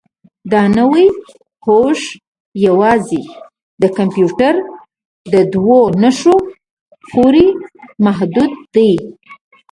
دا نوي هوښ یوازې د کمپیوټر دوو نښو پورې محدود دی.